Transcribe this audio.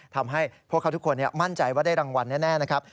ทำให้พวกเขาทุกคนมั่นใจว่าได้รางวัลแน่นะครับ